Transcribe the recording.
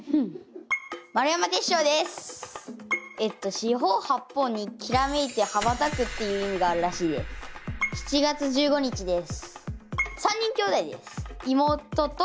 四方八方に煌めいてはばたくって意味があるらしいです。